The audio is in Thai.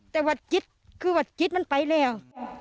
แต่วัดจิตคือวัดจิตมันไปแล้ว